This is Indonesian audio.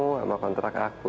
sama kontrak aku